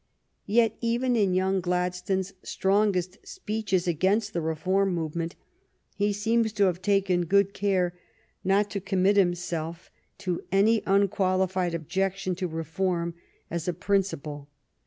Yet even in young Gladstone's strongest speeches against the reform movement he seems to have taken good care not to commit himself to any unqualified objection to reform as a principle.